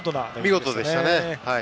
見事でしたね。